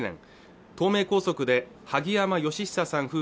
東名高速で萩山嘉久さん